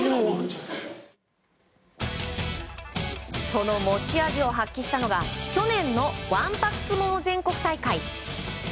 その持ち味を発揮したのが去年のわんぱく相撲全国大会。